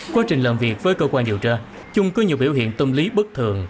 quá trình làm việc với cơ quan điều tra trung có nhiều biểu hiện tâm lý bất thường